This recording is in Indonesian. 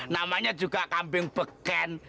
namanya juga kambing beken